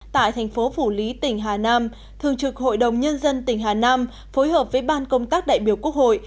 tại thành phố phủ lý tỉnh hà nam thường trực hội đồng nhân dân tỉnh hà nam phối hợp với ban công tác đại biểu quốc hội